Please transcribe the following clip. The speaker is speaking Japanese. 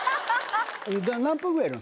何分ぐらいいるの？